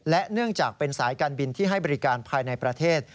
และเนื่องจากเป็นสายการบินที่ให้บริการภายในประเทศ